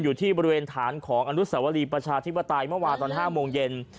อยู่ที่บริเวณฐานของอนุสวรีประชาธิปไตยเมื่อวานตอน๕โมงเย็น